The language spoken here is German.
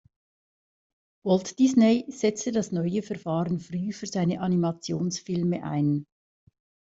Walt Disney setzte das neue Verfahren früh für seine Animationsfilme ein.